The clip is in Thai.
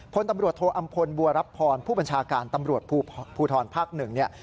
คนตำรวจโทอำพลบัวรับพรผู้บัญชาการตำรวจภูทรภักดิ์๑